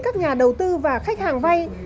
các nhà đầu tư và khách hàng vay